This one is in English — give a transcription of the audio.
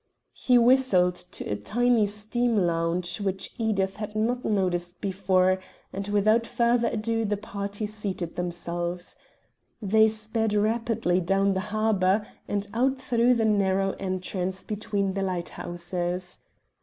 He whistled to a tiny steam launch which Edith had not noticed before, and without further ado the party seated themselves. They sped rapidly down the harbour and out through the narrow entrance between the lighthouses.